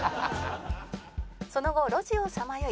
その後路地をさまよい